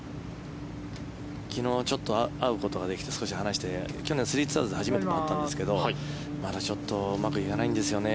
昨日ちょっと会うことができて話すことができて去年、３ツアーズで初めて会ったんですがまだちょっとうまくいかないんですよね